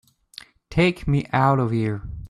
Take me out of here!